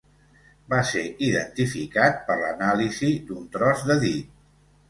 Va ser identificat per l’anàlisi d’un tros de dit.